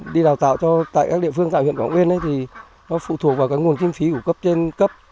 đi đào tạo cho tại các địa phương tại huyện quảng uyên ấy thì nó phụ thuộc vào cái nguồn kiêm phí của cấp trên cấp